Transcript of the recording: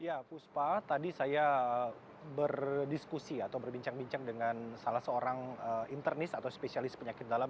ya puspa tadi saya berdiskusi atau berbincang bincang dengan salah seorang internis atau spesialis penyakit dalam